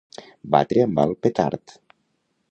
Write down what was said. Batre amb el petard.